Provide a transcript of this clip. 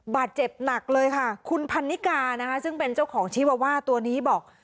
บาดเจ็บหนักเลยค่ะคุณพันนิกานะคะซึ่งเป็นเจ้าของชีวาว่าตัวนี้บอก